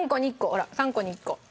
ほら「３コに１コ」。